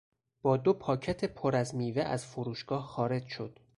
با دو پاکت پر از میوه از فروشگاه خارج شد.